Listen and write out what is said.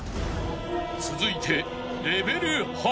［続いて］